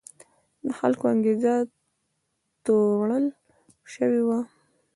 د خلکو انګېزه تروړل شوې وه.